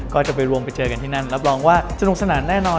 ก็จะไปรวมไปเจอกันที่นั่นรับรองว่าสนุกสนานแน่นอน